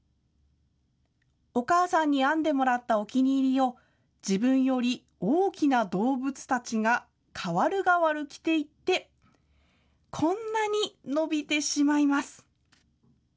お母さんに編んでもらったお気に入りを、自分より大きな動物たちがかわるがわる着ていって、こんなに伸びてしまいます。